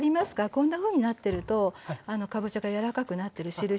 こんなふうになってるとかぼちゃが柔らかくなってるしるしです。